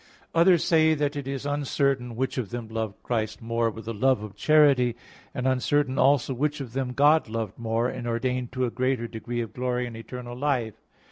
Others say that it is uncertain which of them loved Christ more with the love of charity, and uncertain also which of them God loved more and ordained to a greater degree of glory in eternal life.